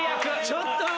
・ちょっと！